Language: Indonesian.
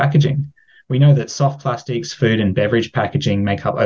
kita tahu bahwa plastik lemak makanan dan pakean makanan